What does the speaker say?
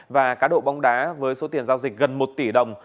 và cá độ bóng đá với số tiền giao dịch gần một tỷ đồng